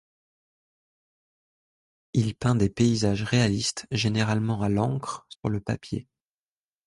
Il peint des paysages réalistes, généralement à l'encre sur le papier.